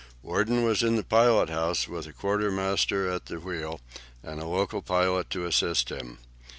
Worden was in the pilot house with a quartermaster at the wheel, and a local pilot to assist him.